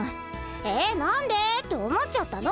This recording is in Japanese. え何でって思っちゃったの！